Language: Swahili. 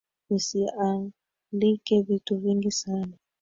Usiandike vitu vingi sana.